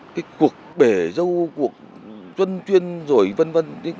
cái cuộc bể dâu cuộc luân chuyên rồi v v